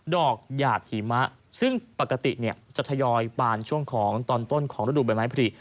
หยาดหิมะซึ่งปกติจะทยอยปานช่วงของตอนต้นของฤดูใบไม้ผลิ